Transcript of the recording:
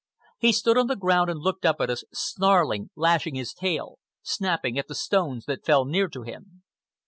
He stood on the ground and looked up at us, snarling, lashing his tail, snapping at the stones that fell near to him.